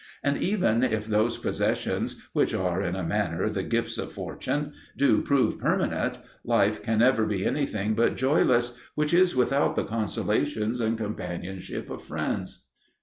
And even if those possessions, which are, in a manner, the gifts of fortune, do prove permanent, life can never be anything but joyless which is without the consolations and companionship of friends.